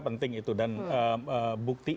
penting itu dan bukti